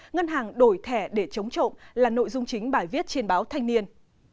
ngân hàng đổi thẻ để chống trộm là nội dung chính bài viết trên báo thanh niên